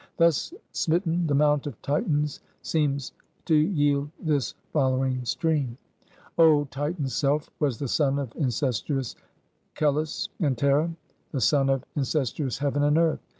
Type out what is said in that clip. Thus smitten, the Mount of Titans seems to yield this following stream: Old Titan's self was the son of incestuous Coelus and Terra, the son of incestuous Heaven and Earth.